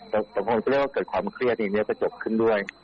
แต่กระจกเรื่องของเครียดเนื้อกระจกขึ้นด้วย